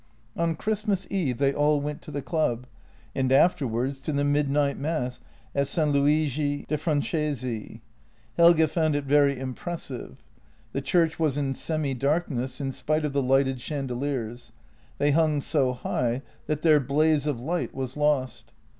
On Christmas Eve they all went to the club, and afterwards to the midnight mass at S. Luigi de Franchesi. Helge found it JENNY 69 very impressive. The church was in semi darkness, in spite of the lighted chandeliers ; they hung so high that their blaze of light was lost.